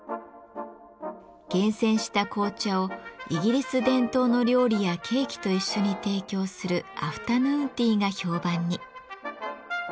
厳選した紅茶をイギリス伝統の料理やケーキと一緒に提供するアフタヌーンティーが評判に。